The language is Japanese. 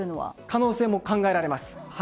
可能性も考えられます。